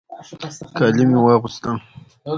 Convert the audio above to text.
کالي مې واغوستل.